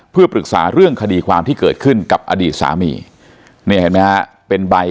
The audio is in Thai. เพื่อปรึกษาเรื่องคดีความที่เกิดขึ้นกับอดีตสามี